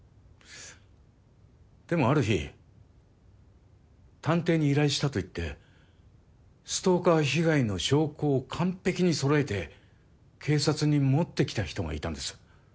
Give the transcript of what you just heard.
でもある日探偵に依頼したと言ってストーカー被害の証拠を完璧に揃えて警察に持ってきた人がいたんです。